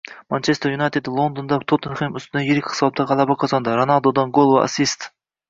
“Manchester Yunayted” Londonda “Tottenhem” ustidan yirik hisobda g‘alaba qozondi, Ronaldudan gol va assist